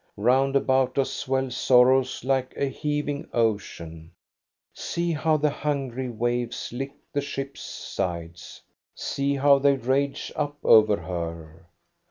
Round about us swell sorrows like a heaving ocean ; see how the hungry waves lick the ship's sides, see how they rage up over her.